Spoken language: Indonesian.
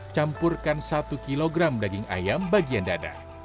campurkan satu kg daging ayam bagian dada